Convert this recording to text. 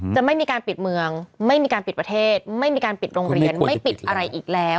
จะไม่มีการปิดเมืองไม่มีการปิดประเทศไม่มีการปิดโรงเรียนไม่ปิดอะไรอีกแล้ว